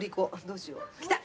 どうしよう。来た！